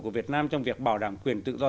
của việt nam trong việc bảo đảm quyền tự do